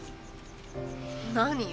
何よ？